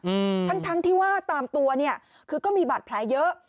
อืมทั้งทั้งที่ว่าตามตัวเนี้ยคือก็มีบาดแผลเยอะ